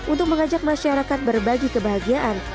untuk mengajak masyarakat berbagi kebahagiaan